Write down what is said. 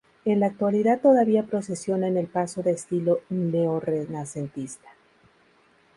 En la actualidad todavía procesiona en el paso de estilo neorrenacentista.